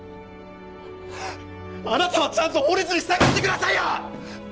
あなたはちゃんと法律に従ってくださいよ！